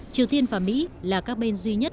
triều tiên và mỹ là các bên duy nhất